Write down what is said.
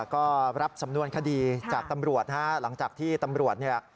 ก็รับสำนวนคดีจากตำรวจฮะหลังจากที่ตำรวจเนี่ย